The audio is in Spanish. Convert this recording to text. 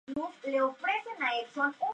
Es tan alta como Nami.